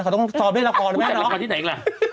กังวลต้องสอนในละครที่หลัง